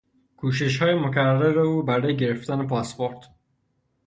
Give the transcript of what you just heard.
کوششهای مکرر او برای گرفتن پاسپورت